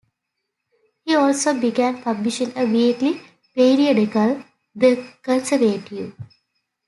He also began publishing a weekly periodical, "The Conservative".